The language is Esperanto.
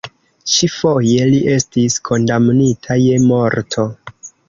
Ĉi-foje, li estis kondamnita je morto.